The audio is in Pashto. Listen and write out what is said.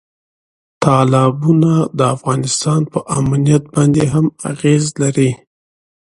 تالابونه د افغانستان په امنیت باندې هم اغېز لري.